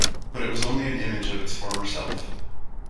But it was only an image of its former self.